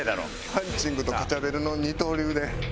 ハンチングとガチャベルの二刀流で。